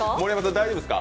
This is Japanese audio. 大丈夫ですか？